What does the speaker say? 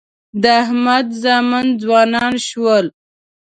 د احمد زامن ځوانان شول.